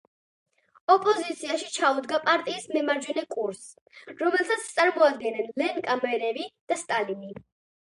ოპოზიციაში ჩაუდგა პარტიის მემარჯვენე კურსს, რომელსაც წარმოადგენდნენ ლევ კამენევი და სტალინი.